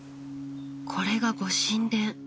これがご神殿。